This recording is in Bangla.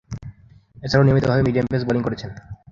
এছাড়াও নিয়মিতভাবে মিডিয়াম-পেস বোলিং করেছেন।